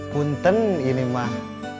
punten ini mah